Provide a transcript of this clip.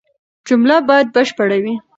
جمله بايد بشپړه وي.